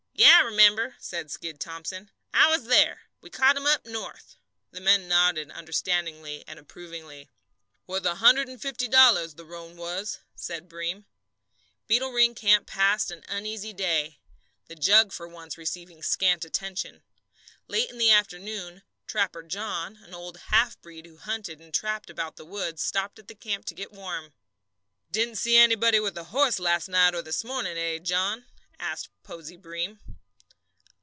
"Yes, I remember," said Skid Thomson. "I was there. We caught him up north." The men nodded understandingly and approvingly. "Wuth a hundred and fifty dollars, the roan was," said Breem. Beetle Ring camp passed an uneasy day, the "jug" for once receiving scant attention. Late in the afternoon "Trapper John," an old half breed who hunted and trapped about the woods, stopped at the camp to get warm. "Didn't see anybody with a horse last night or this morning, eh, John?" asked Posey Breem.